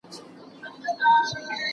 حیات الله په ځوانۍ کې ډېره ګټه کړې وه.